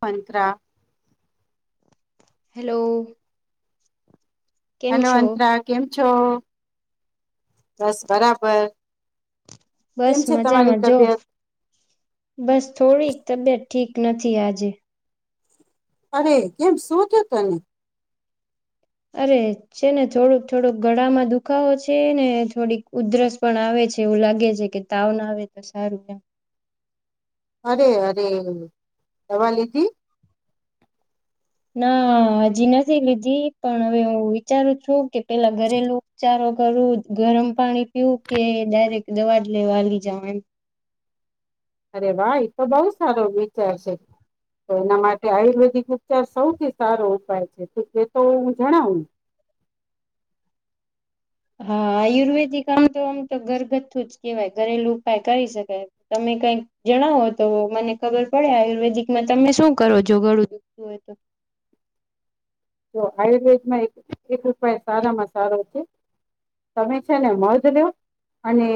પંત્રા. Hello! કેમ hello છો અંત્રા કેમ છો? બસ બરાબર. કેમ બસ છે તમારી મજામાં જો તબિયત બસ થોડીક તબિયત ઠીક નથી આજે. અરે કેમ શું થયું તને? અરે છે ને થોડુંક થોડુંક ગળામાં દુખાવો છે ને થોડીક ઉધરસ પણ આવે છે એવું લાગે છે કે તાવ ના આવે તો સારું એમ અરે અરે દવા લીધી? ના હજી નથી લીધી પણ હવે હું વિચારું છું કે પેલા ઘરેલું ઉપચારો કરું ગરમ પાણી પીવું કે ડાયરેક્ટ દવા જ લેવા હાલી જાવ એમ. અરે વા એ તો બહુ સારો વિચાર છે તો એના માટે આયુર્વેદિક ઉપચાર સૌથી સારો ઉપાય છે એ તો હું જણાવું. હા આયુર્વેદિક આમ તો આમ તો ઘરગથ્થુ જ કેવાય ઘરેલું ઉપાય કરી શકાય તમે કઈક જણાવો તો મને ખબર પડે આયુર્વેદિકમાં તમે શું કરો છો ઘડું દુખું હોય તો. તો આયુર્વેદમાં એક એક ઉપાય સારામાં સારો છે તમે છે ને મધ લો અને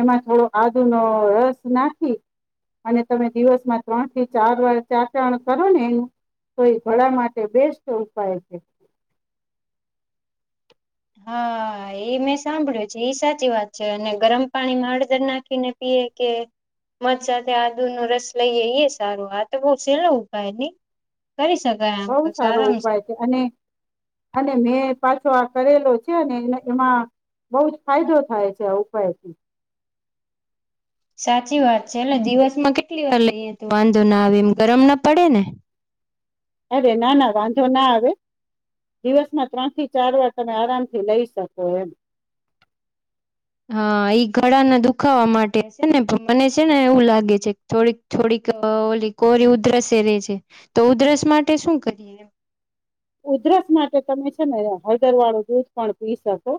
એમાં થોડો આદુનો રસ નાખી અને તમે દિવસમાં ત્રણ થી ચાર વાર ચાટણ કરો ને એનું તો એ ઘળા માટે બેસ્ટ ઉપાય છે. હા એ મેં સાંભળ્યું છે એ સાચી વાત છે અને ગરમ પાણી માં હળદર નાખીને પીએ કે મધ સાથે આદુ ન રસ લઈએ એ સારો આ તો બહ સહેલો ઉપાય નહી. કરી શકાય આમ બહ તો સારો સારામાં ઉપાય સારું. છે અને અને મેં પાછો આ કરેલો છે અનેને એ એમાં બહું જ ફાયદો થાય છે આ ઉપાયથી. સાચી વાત છે એટલે દિવસમાં કેટલી વાર લઈએ તો વાંધો ના આવે એમ ગરમ ના પડે ને? અરે ના ના વાંધો ના આવે દિવસમાં ત્રણ થી ચાર વાર તમે આરામ થી લઈ શકો એમ. હા ઈ ઘળા ને દુખાવા માટે છે ને મને છે ને એવું લાગે છે થોડીક થોડીક ઓલી કોરી ઉધરસે રે છે તો ઉધરસ માટે શું કરીએ? ઉધરસ માટે તમે છે ને હળદર વાળું દૂધ પણ પી શકો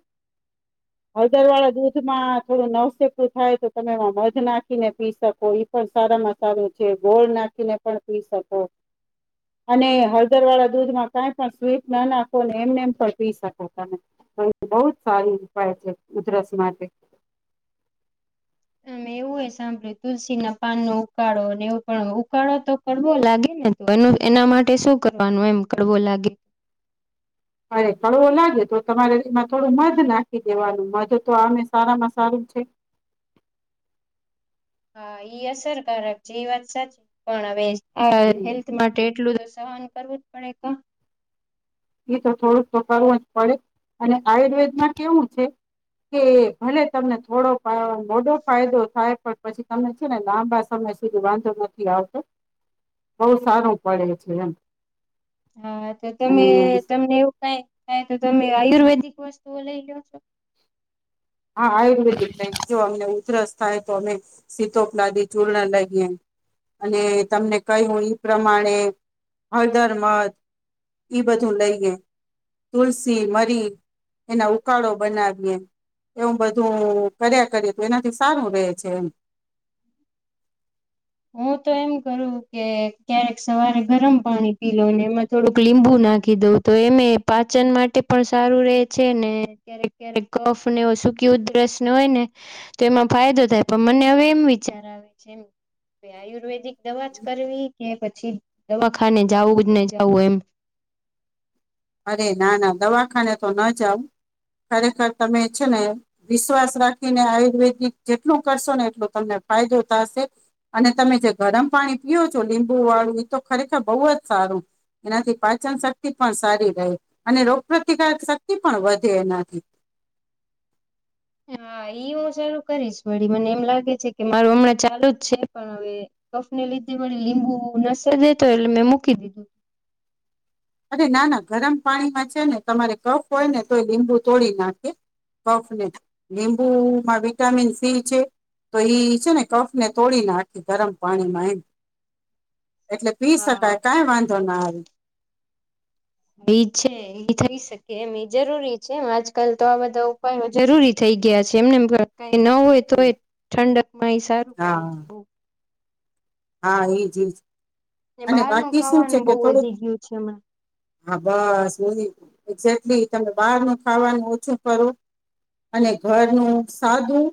હળદર વાળા દૂધમાં થોડું નવસેકું થાય તો તમે એમાં મધ નાખીને પી શકો ઇ પણ સારામાં સારું છે ગોળ નાખીને પણ પી શકો અને હળદર વાળા દૂધમાં કઈ પણ સ્વીટ ના નાખોને એમને એમ પણ પી શકો તમે બહું જ સાર ઉપાય છે ઉધરસ માટે આ એવું હોય સાંભળ્યું તુલસી ના પાનનો ઉકાળો એવું પણ ઉકાળો તો કરવો લાગે ને તો એનું એના માટે શું કરવાનું એમ કરવો લાગે. અરે કળવો લાગે તો તમારે એમાં થોડું મધ નાખી દેવાનું મધ તો આમે સારામાં સારું છે. હા ઈ અસરકારક જે વાત સાચી પણ હવે [unintelligible] હેલ્થ માટે એટલું જ હસ સહન કરવું જ પડે કા. એ તો થોડુંક તો કરવું જ પડે, અને આયુર્વેદમાં કેવું છે. કે ભલે તમને થોડો, મોડો ફાયદો થાય પણ પછી તમને છે ને લાંબા સમય સુધી વાંધો નથી આવતો. બહુ સારું પડે છે. એમ. હા તો અને તમે તમને એવું કઈ થાય તો તમે આયુર્વેદિક વસ્તુઓ લઈ લીઓ છો? હા આયુર્વેદિક. જો અમને ઉધરસ થાય તો અમે સીતોપલાદી ચૂર્ણ લઈએ અને તમને કહ્યું ઈ, પ્રમાણે હળદર મધ ઈ, બધું લઈએ તુલસી મરી એના ઉકાળો બનાવીએ. એવું બધું કર્યા કરએ તો એનાથી સારું રહેે છે. એમ. હું તો એમ કરું કે ક્યારેક સવારે ગરમ પાણી પી લવ ને એમાં થોડુંક લીંબુ નાખી દઉં તો એમે પાચન માટે પણ સારું રે છે ને ક્યારેક, ક્યારેક કફ ને સૂકી ઉધરસ ને હોય ને, તો એમાં ફાયદો થાય પણ મને હવે એમ વિચાર આવે છે. એ આયુર્વેદિક દવા જ કરવી કે પછી દવાખાને જવું જ ને જવું એમ? અરે ના ના દવાખાને તો ન જાવ ખરેખર તમે છે, ને વિશ્વાસ રાખીને આયુર્વેદિક જેટલું કરશો ને એટલો તમને ફાયદો થશે અને તમે જે ગરમ પાણી પીઓ છો લીંબુ વાળું એ તો ખરેખર બહુ જ સારું એનાથી પાચન શક્તિ પણ સારી. અને રોગપ્રતિકાર શક્તિ પણ વધે એનાથી. હા ઈ હું સરુ કરીશ વળી મને એમ લાગે છે કે મારું હમણાં ચાલુ જ છે. પણ હવે કફને લીધે મળી લીંબુ, લસણ ને તો એટલે મેં મૂકી દીધું. અરે ના, ના ગરમ પાણીમાં છે ને તમારે કફ હોય ને તો લીંબુ તોડી નાખે કફ ને લીંબુમાં વિટામિન સી છે તો એ છે ને કફ ને તોડી નાખે ગરમ પાણીમાં એમ. એટલે પી હા શકાય કઈ વાંધો ના આવે. [inaudible] એ છે એ થઇ શકે, એમ એ જરૂરી છે. એમ આજકાલ તો આ બધા ઉપાયો જરૂરી થઈ ગયા છે. એમનેમ કઈ ન હોય તો એ ઠંડક માં એ સારું પડે હા છે. બઉ હા, એઈ જ ઈજ. ને બહારનું ખાવાનું બહુ વધી ગયું છે હમણાં. હા બસ, [unintelligible] એક્ઝેક્ટલી તમે બહારનું ખાવાનું ઓછું કરો, અને ઘરનું સાદું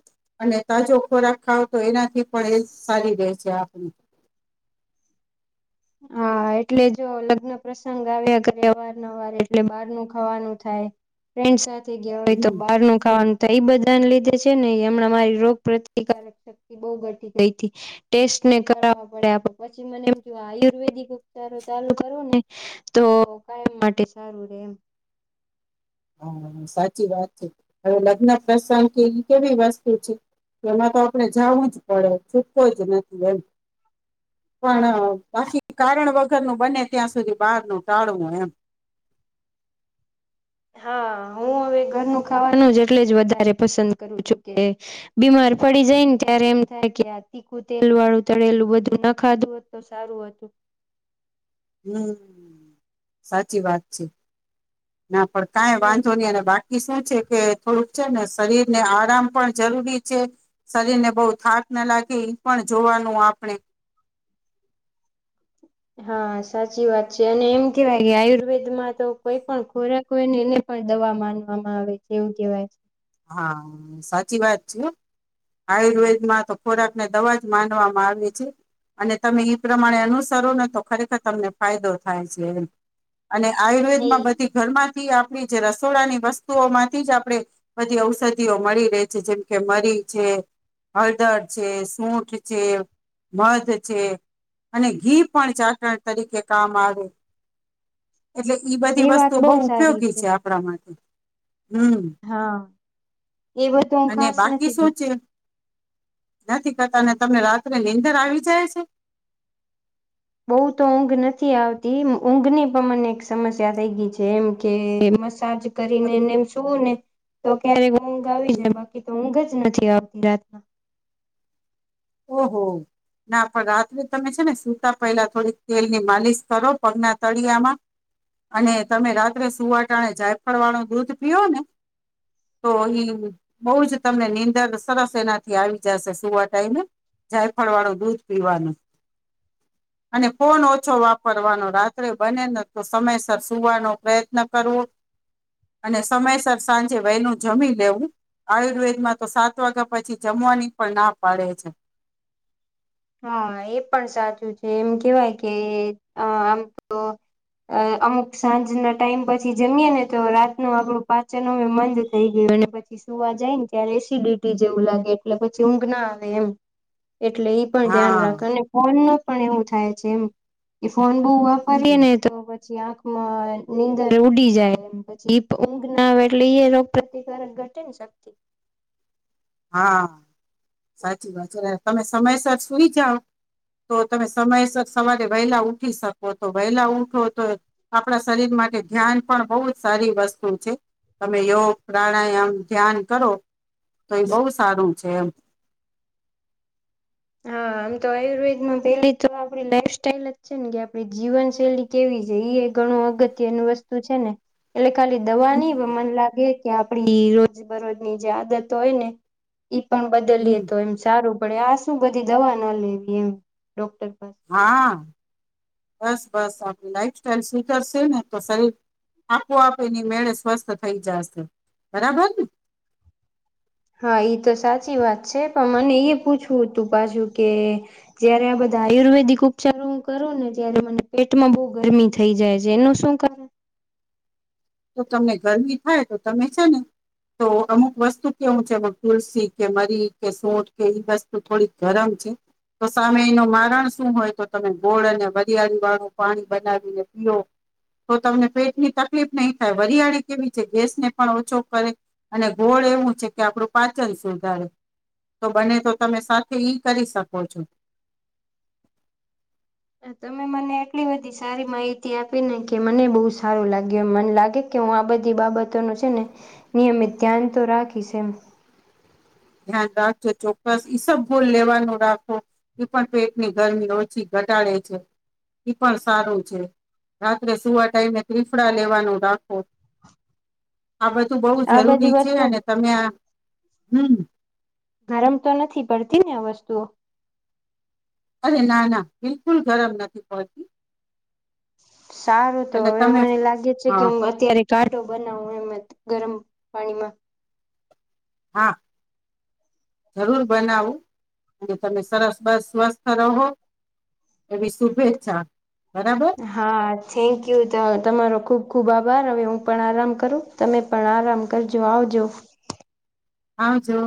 અને તાજો ખોરાક ખાવ તો એનાથી પણ એ સારી રહેે છે. આપ હા, એટલે જો લગ્ન પ્રસંગ આવ્યા કરે અવાર, નવાર. એટલે બહાર ન ખાવાનું થાય ફ્રેન્ડ સાથે. થઈ ગયા હોય તો હમ બહાર ન ખાવાનું. તો એ બધાને લીધે છે, ને એમણા અમારી રોગ પ્રતિકારક શક્તિ બહુ ઘટી ગઈ હતી. ટેસ્ટ ને કરાવ પડયા. પછી મને એમ [unintelligible] આયુર્વેદિક ઉપચારો ચાલુ કરું ને, તો કાયમ માટે સારું રે. એમ હ સાચી વાત છે. હવે લગ્ન પ્રસંગ કેવી વસ્તુ છે, એમાં તો આપણે જાવુંજ પડે. છૂટકો જ નથી એમ. પણ બાકી કારણ વગરનું બને ત્યાં સુધી બહાર નુ ટાળવું એમ. હા, હું હવે ઘરનું ખાવાનું જ એટલે જ વધારે પસંદ કરું છું. કે બીમાર પડી જાયને ત્યારે એમ થાય કે આ તીખું, તેલ વાળું, તળેલું, બધું ના ખાધું હોત તો સારું હતું. હમ, સાચી વાત છે. ના પણ કાઈ ને વાંધો નહી. અને બાકી શું છે. કે થોડુંક છે ને શરીર ને આરામ પણ જરૂરી છે. શરીર ને બહ થાક ના લાગે એ પણ જોવાનું આપણે. હા સાચી વાત છે. અને એમ કેવાય કે આયુર્વેદમાં તો કોઈ પણ ખોરાક હોયને એને પણ દવા માનવામાં આવે છે. એવું કેવાય, હા, સાચી વાત છે હો. આયુર્વેદમાં તો ખોરાકને દવા જ માનવામાં આવે છે. અને તમે એ પ્રમાણે અનુસરો ને તો ખરેખર તમને ફાયદો થાય છે એમ. અને આયુર્વેદ હમ. માં બધી ઘર માં થી, આપણી જે રસોડાની વસ્તુઓ માંથી જ આપણે. બધી ઔષધિઓ મળી રહે છે. જેમકે મરી છે, હળદર છે, સૂઠ છે, મધ છે અને ઘી પણ ચાટણ તરીકે કામ આવે. એટલે ઈ બધી એ વાત વસ્તુઓ બહુ સારી ઉપયોગી છે આપણા માટે. હમ્મ [inaudible] એ બધું હું ખાસ બાકી નથી શું છે કરતી. નથી કરતા. તમને રાત્રે નીંદર આવી જાય છે? બઉુ તો ઊંઘ નથી આવતી. ઊંઘ ની પણ મને એક સમસ્યા થઈ ગઈ છે. એમ કે મસાજ કરીને. એને એમ [unintelligible] ને. તો કે ઊંઘ આવી જાય. બાકી તો ઊંઘ જ નથી આપની જાતના [unintelligible] ઓહો! ના પણ રાત્રે તમે છે ને, સુતા પહેલા થોડીક તેલની માલિશ કરો પગના તળિયામાં. અને તમે રાત્રે સુવાટાણે જાયફળ વાળું દૂધ પીઓ ને, તો એ બહુ જ તમને નીંદર સરસ એનાથી આવી જશે સુવાટાઈને. જાયફળવાળું દૂધ પીવાનું. અને ફોન ઓછો વાપરવાનો, રાત્રે બને ને તો સમયસર સુવાનો પ્રયત્ન કરવો. અને સમયસર સાંજે વહેનું જમી લેવું. આયુર્વેદમાં તો સાત વાગ્યા પછી જમવાની પણ ના પાડે છે. હા, એ પણ સાચું છે. એમ કેવાય કે, આમ તો અમુક સાંજના ટાઈમ પછી જમીએ ને, તો રાતનું આપડું પાચન મંદ થઈ ગયું. અને પછી સુવા જાય ને ત્યારે એસિડિટી જેવું લાગે. એટલે, પછી ઊંઘ ના આવે એમ. એટલે, પણ ધ્યાન હા રાખો. અનેને ફોન ન [unintelligible] પણ એવું થાય છે. એમ ફોન બહુ વાપરીએ હમ ને તો પછી આંખમાં નીંદર ઉડી જાય. પછી ઊંઘ ના આવે. એટલે, એ રોગપ્રતિકારક ઘટે ને શક્તિ. હા! સાચી વાત છે. તમે સમયસર સુઈ જાઓ. તો, તમે સમયસર સવારે વહેલા ઉઠી શકો. તો વહેલા ઉઠો તો, આપણા શરીર માટે ધ્યાન પણ બહુ જ સારી વસ્તુ છે. તમે યોગ, પ્રાણાયામ, ધ્યાન કરો. તો, ઈ બહુ સારું છે એમ. હા. આમ તો, આયુર્વેદમાં પેલી તો આપડી લાઈફ સ્ટાઈલ જ છે ને કે, આપડી જીવનશૈલી કેવી છે. એ ઘણું અગત્યનું વસ્તુ છે ને. એટલે ખાલી દવા [unintelligible] મન લાગે કે આપડી રોજ બરોજની જે આદતો હોય ને ઈ પણ હમ બદલીએ તો એમ સારું. પળ્યાસ શું બધી દવા ના લેવી એમ, ડોક્ટર પાસે હા. બસ બસ આપણી લાઈફ સાઈલ સુધરશે ને, તો શરીર આપોઆપેની મેળે સ્વસ્થ થઈ જશે, બરાબર ને. હા એ તો સાચી વાત છે પણ મને એ પૂછવું હતું પાછું કે, જયારે આ બધા આયુર્વેદિક ઉપચારો હું કરું ને ત્યારે મને પેટમાં બહુ ગરમી થઈ જાય છે એનું શું કારણ? તો તમને ગરમી થાય તો તમે છે ને, તો અમુક વસ્તુ કેવું છે તુલસી કે મરી કે, સોઠ કે, ઈ વસ્તુ થોડીક ગરમ છે. તો સામે એનું મારણ શું હોય? તો તમે ગોળ અને વરિયાળી વાળું પાણી બનાવીને પીઓ. તો તમને પેટની તકલીફ નહી થાય, વરિયાળી કેવી છે ગેસને પણ ઓછો કરે અને ગોળ એવું છે કે, આપણું પાચન સુધારે, તો બને તો તમે સાથે ઈ કરી શકો છો. તમે મને એટલી બધી સારી માહિતી આપીને કે મને બહુ સારું લાગ્યું. મને લાગે કે હું આ બધી બાબતોનું છે ને, નિયમિત ધ્યાન તો રાખીશ એમ. ધ્યાન રાખજો ચોક્કસ ઈસબગુલ લેવાનું રાખો એ પણ પેટની ગરમી ઓછી ઘટાડે છે, આ પણ સારું છે, રાત્રે સુવા ટાઈમે ત્રિફળ લેવાનું રાખો. આ બધું બહુ આ બધી જરૂરી છે વસ્તુ અને તમે આ હમ. આરમ તો નથી ને વસ્તુઓ? અરે ના ના, બિલકુલ ગરમ નથી પડતી. સારું તો એટલે હવે તમે મને લાગે છે કે હા હું અત્યારે ક બનાવ એમજ ગરમ પાણીમાં. હા, જરૂર બનાવું, અને તમે સરસ બસ સ્વસ્થ રહો, એવી શુભેચ્છા. બરાબર હા, થેન્ક યુ તો તમારો ખુબ ખૂબ આભાર હવે હું પણ આરામ કરું, તમે પણ આરામ કરજો આવજો. આવજો.